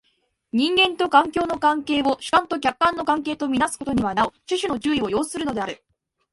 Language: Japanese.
人間と環境の関係を主観と客観の関係と看做すことにはなお種々の注意を要するのである。